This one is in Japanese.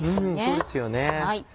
そうですよね。